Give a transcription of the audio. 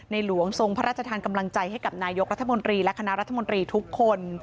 หลวงทรงพระราชทานกำลังใจให้กับนายกรัฐมนตรีและคณะรัฐมนตรีทุกคน